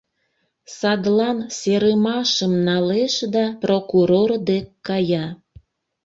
Садлан серымашым налеш да прокурор дек кая.